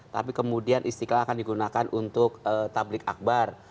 tapi kemudian istiqlal akan digunakan untuk tablik akbar